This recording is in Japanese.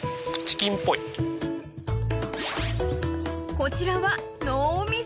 ［こちらは］